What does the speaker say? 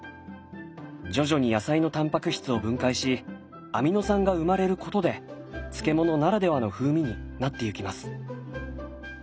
徐々に野菜のタンパク質を分解しアミノ酸が生まれることで漬物ならではの風味になってゆきます。